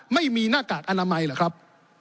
หน้ากากอนามัยเหรอครับ